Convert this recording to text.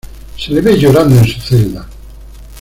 Se le ve llorando en su celda.